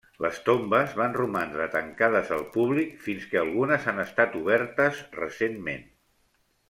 Les tombes van romandre tancades al públic fins que algunes han estat obertes recentment.